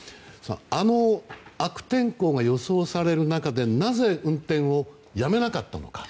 あの悪天候が予想される中でなぜ運転をやめなかったのか。